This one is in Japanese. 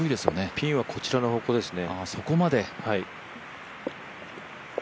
ピンはこちらの方向ですね。